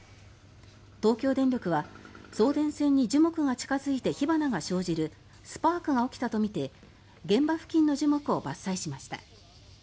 東京電力は送電線に樹木が近付いて火花が生じるスパークが起きたとみて現場付近の樹木を伐採しました。